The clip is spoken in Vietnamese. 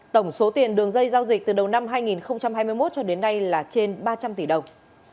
tổng số tiền đường dây giao dịch từ đầu năm hai nghìn hai mươi một cho đến nay là trên ba trăm linh tỷ đồng